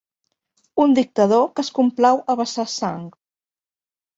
Un dictador que es complau a vessar sang.